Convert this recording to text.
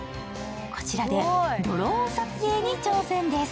こちらでドローン撮影に挑戦です。